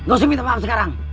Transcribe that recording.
gak usah minta maaf sekarang